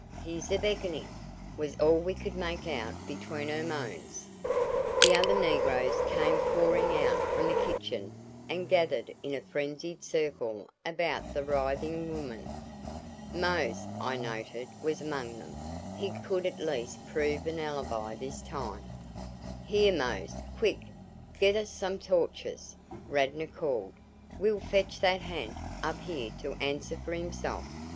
He's a beckoning," was all we could make out between her moans. The other negroes came pouring out from the kitchen and gathered in a frenzied circle about the writhing woman. Mose, I noted, was among them; he could at least prove an alibi this time. "Here Mose, quick! Get us some torches," Radnor called. "We'll fetch that ha'nt up here to answer for himself.